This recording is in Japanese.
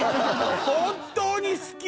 本当に好き！